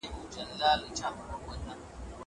زه بايد کتابونه وړم!!